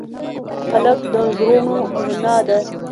هلک د زړونو رڼا ده.